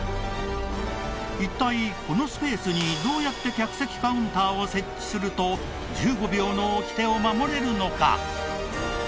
一体このスペースにどうやって客席カウンターを設置すると１５秒の掟を守れるのか？